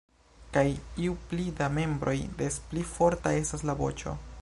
Kaj ju pli da membroj des pli forta estas la voĉo.